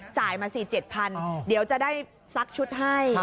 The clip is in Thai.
จ่ายมา๔๗๐๐เดี๋ยวจะได้ซักชุดให้